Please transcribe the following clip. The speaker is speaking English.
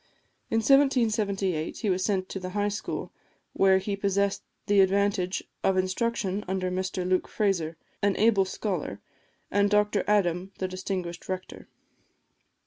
In 1778 he was sent to the High School, where he possessed the advantage of instruction under Mr Luke Fraser, an able scholar, and Dr Adam, the distinguished rector.